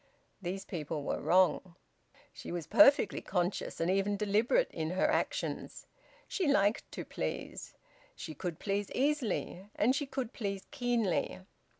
These people were wrong. She was perfectly conscious and even deliberate in her actions. She liked to please. She could please easily and she could please keenly.